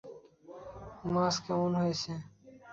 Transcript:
মাছ কেমন হয়েছে?